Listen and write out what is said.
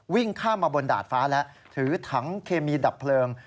วิ่งข้ามมาบนดาดฟ้าแล้วถือถังเคมีดับเพลิง